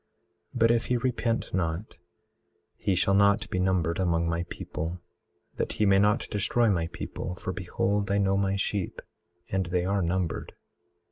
18:31 But if he repent not he shall not be numbered among my people, that he may not destroy my people, for behold I know my sheep, and they are numbered.